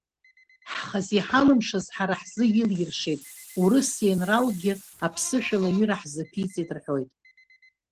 Ҳхазы иҳалымшаз ҳара ҳзы илиршеит урыс енралкгьы аԥсышәала аҩыра ҳзаԥиҵеит рҳәоит.